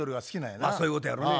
そういうことやろね。